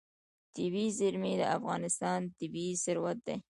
طبیعي زیرمې د افغانستان طبعي ثروت دی.